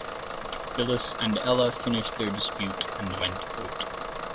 Phyllis and Ella finished their dispute and went out.